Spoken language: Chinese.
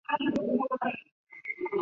会不会改变他们呢？